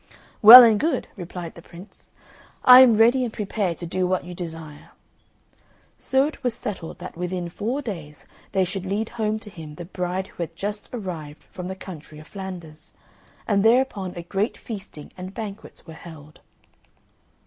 "Well and good," replied the Prince, "I am ready and prepared to do what you desire." So it was settled that within four days they should lead home to him the bride who had just arrived from the country of Flanders; and thereupon a great feasting and banquets were held.